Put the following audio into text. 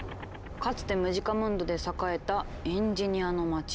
かつてムジカムンドで栄えたエンジニアの街。